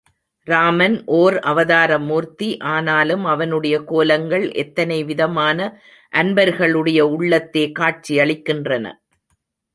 ராமன் ஓர் அவதார மூர்த்தி, ஆனாலும் அவனுடைய கோலங்கள் எத்தனை விதமான அன்பர்களுடைய உள்ளத்தே காட்சியளிக்கின்றன.